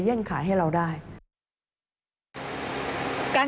ประกอบกับต้นทุนหลักที่เพิ่มขึ้น